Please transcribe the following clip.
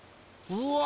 うわ。